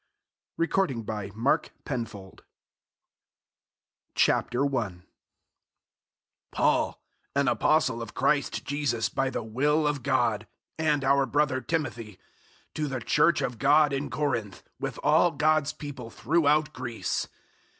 F. Weymouth Book 47 2 Corinthians 001:001 Paul, an Apostle of Christ Jesus by the will of God and our brother Timothy: To the Church of God in Corinth, with all God's people throughout Greece.